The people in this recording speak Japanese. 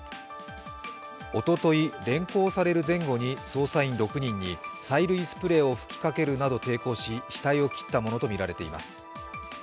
おととい、連行される前後に捜査員６人に催涙スプレーを吹きかけるなど抵抗し額を切ったものと見られています。